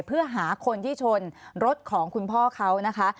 เพื่อหาคนที่ชนรถของคุณพ่อเขานะคะ